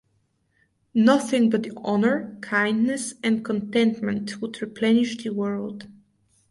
Nothing but honour, kindness, and contentment would replenish the world.